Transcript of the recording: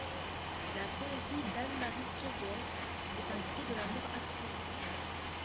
La poésie d'Anne-Marie Kegels est un cri de l'amour absolu.